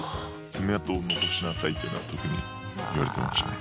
爪痕を残しなさい」っていうのは特に言われてましたね。